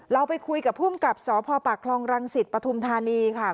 เราไปคุยกับผู้กับสพคลองรังศิษฐ์ปฐุมธานีค่ะ